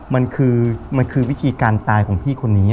มันคือวิธีการตายของพี่คนนี้